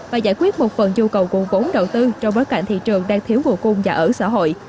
và giải quyết một phần nhu cầu nguồn vốn đầu tư trong bối cảnh thị trường đang thiếu nguồn cung nhà ở xã hội